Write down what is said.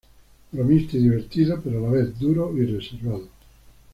Bromista y divertido pero a la vez duro y reservado.